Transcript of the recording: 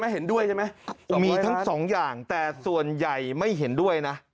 เห็นด้วยใช่ไหมมีทั้งสองอย่างแต่ส่วนใหญ่ไม่เห็นด้วยนะ